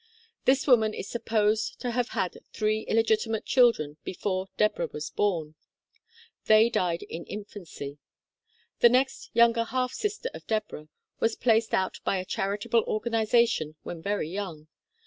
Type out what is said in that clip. This woman is supposed to have had three illegitimate children before Deborah was born. They died in in fancy. The next younger half sister of Deborah was placed out by a charitable organization when very young.